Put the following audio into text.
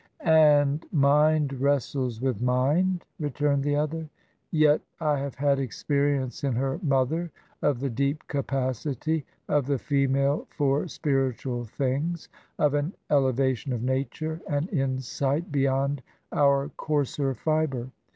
" And mind wrestles with mind ?" returned the other. " Yet I have had experience in her mother of the deep capacity of the female for spiritual things — of an eleva tion of nature — an insight — beyond our coarser fibre.